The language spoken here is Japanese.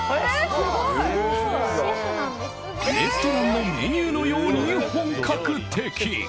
レストランのメニューのように本格的。